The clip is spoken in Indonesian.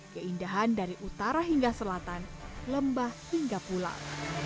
keindahan dari utara hingga selatan lembah hingga pulau